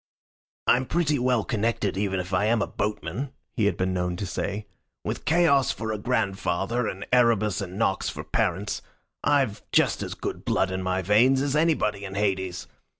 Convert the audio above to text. "I'm pretty well connected even if I am a boatman," he had been known to say. "With Chaos for a grandfather, and Erebus and Nox for parents, I've just as good blood in my veins as anybody in Hades.